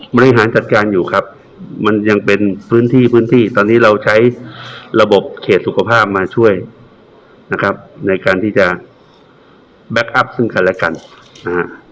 บริหารจัดการอยู่ครับมันยังเป็นพื้นที่พื้นที่ตอนนี้เราใช้ระบบเขตสุขภาพมาช่วยนะครับในการที่จะแบ็คอัพซึ่งกันและกันนะฮะ